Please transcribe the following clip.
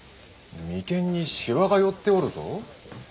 眉間にしわが寄っておるぞ。